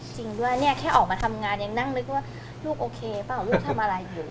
จริงด้วยเนี่ยแค่ออกมาทำงานยังนั่งนึกว่าลูกโอเคเปล่าลูกทำอะไรอยู่